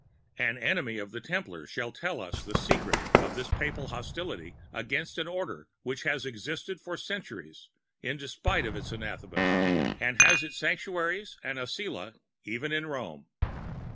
An enemy of the Templars shall tell us the secret of this Papal hostility against an Order that has existed for centuries in despite of its anathemas, and has its Sanctuaries and Asyla even in Rome.